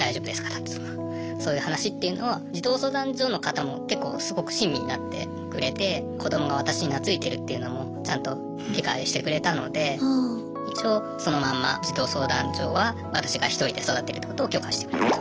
だとかそういう話っていうのを児童相談所の方も結構すごく親身になってくれて子どもが私に懐いてるっていうのもちゃんと理解してくれたので一応そのまんま児童相談所は私がひとりで育てるってことを許可してくれたと。